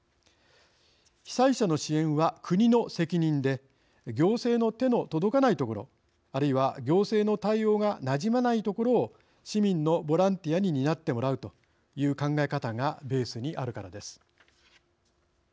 被災者の支援は国の責任で行政の手の届かないところあるいは行政の対応がなじまないところを市民のボランティアに担ってもらうという考え方がベースにあるからです。